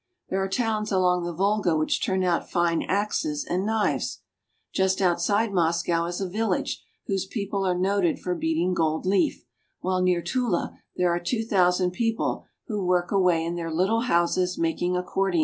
There are towns along the Volga which turn out fine axes and knives ; just outside Moscow is a village whose people are noted for beating gold leaf, while near Tula there are two thousand people who work away in their little houses making accordions.